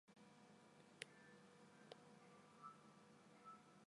而致癌物正是诱发这些变的因素。